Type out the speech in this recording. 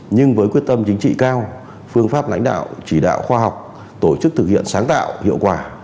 nhưng với quyết tâm chính trị cao phương pháp lãnh đạo chỉ đạo khoa học tổ chức thực hiện sáng tạo hiệu quả